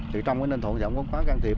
thì trong cái ninh thuận thì cũng có can thiệp